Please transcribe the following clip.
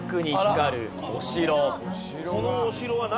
このお城は何？